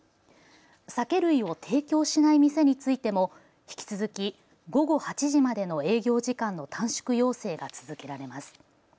酒類を提供しない店についても引き続き午後８時までの営業時間の短縮要請が続けられます。